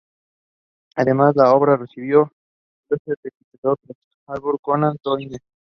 Además, la obra recibió elogios de, entre otros, Arthur Conan Doyle.